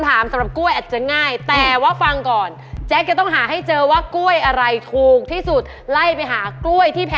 อ่าเลื่อนอันนี้นะกล้วยน้ำหวา